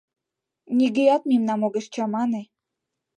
Нигӧат мемнам огеш чамане...